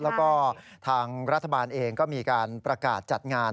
แล้วก็ทางรัฐบาลเองก็มีการประกาศจัดงาน